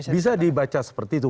bisa dibaca seperti itu